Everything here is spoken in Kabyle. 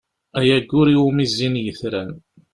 Ay aggur iwumi zzin yetran!